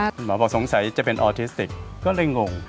หมอบอกว่าสงสัยจะเป็นออร์ทิสติกก็เลยงง